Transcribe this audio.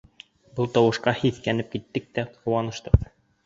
Был тауышҡа һиҫкәнеп киттек тә ҡыуаныштыҡ.